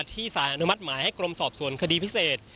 ที่สารอนุมัติหมายให้กรมสอบสวนคดีพิเศษ